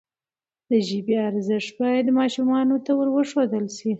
د ژبي ارزښت باید ماشومانو ته وروښودل سي.